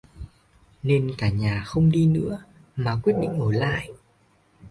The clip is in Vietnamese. Nên cả nhà không đi nữa mà quyết định ở lại